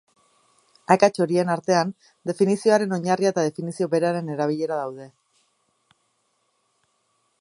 Akats horien artean, definizioaren oinarria eta definizio beraren erabilera daude.